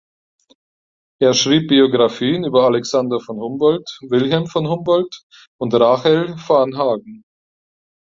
Er schrieb Biographien über Alexander von Humboldt, Wilhelm von Humboldt und Rahel Varnhagen.